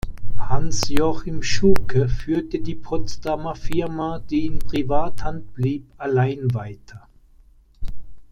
Hans-Joachim Schuke führte die Potsdamer Firma, die in Privathand blieb, allein weiter.